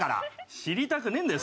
知りたくねえんだよ！